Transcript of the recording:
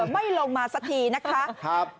ไม่ลงมาสักทีนะคะ